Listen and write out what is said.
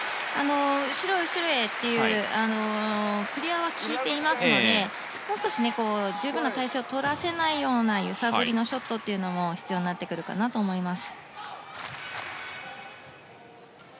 後ろへ後ろへというクリアは効いていますのでもう少し十分な体勢を取らせないような揺さぶりのショットも必要になってくるかなと思います。